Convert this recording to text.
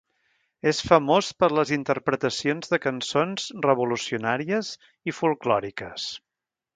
És famós per les interpretacions de cançons revolucionàries i folklòriques.